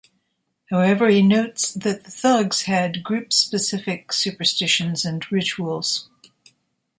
However, he notes that the Thugs had group-specific superstitions and rituals.